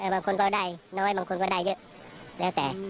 บางคนก็ได้น้อยบางคนก็ได้เยอะแล้วแต่